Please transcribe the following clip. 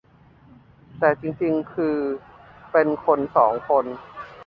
แต่จริงจริงคือเป็นคนสองคน